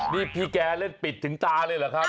นี่พี่แกเล่นปิดถึงตาเลยเหรอครับ